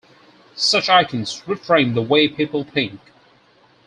Such icons reframe the way people think.